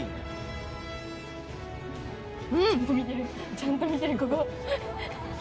ちゃんと見てるここ。